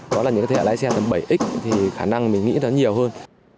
đó là những thế hệ lái xe còn bảy x thì khả năng mình nghĩ nó nhiều hơn